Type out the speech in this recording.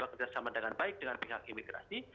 bekerja sama dengan baik dengan pihak imigrasi